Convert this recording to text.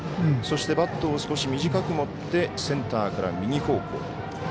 そして、バットを少し短く持ってセンターから右方向。